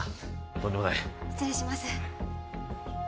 とんでもない失礼します